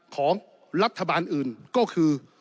ของรัฐบาลอื่นก็คือ